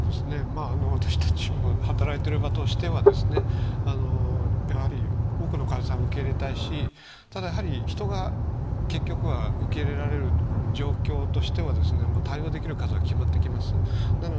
私たちも働いている側としては多くの患者さんを受け入れたいしただ、人が結局は受け入れられる状況としては対応できる数が決まってきます。